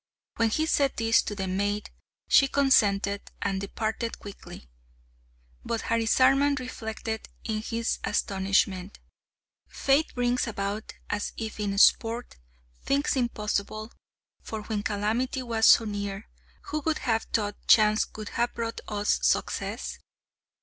When he said this to the maid, she consented, and departed quickly. But Harisarman reflected in his astonishment: "Fate brings about, as if in sport, things impossible, for when calamity was so near, who would have thought chance would have brought us success?